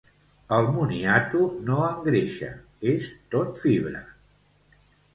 El moniato no engreixa, és tot fibra.